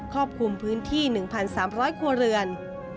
รอบคลุมพื้นที่๑๓๐๐ครัวเรือน